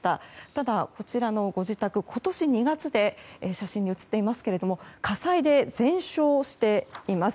ただ、こちらのご自宅今年２月で写真に写っていますけれども火災で全焼しています。